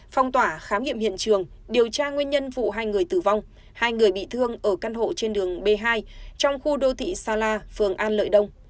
phong tỏa khám nghiệm hiện trường điều tra nguyên nhân vụ hai người tử vong hai người bị thương ở căn hộ trên đường b hai trong khu đô thị sa la phường an lợi đông